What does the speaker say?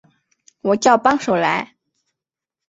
我叫帮手来